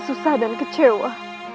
susah dan kecewa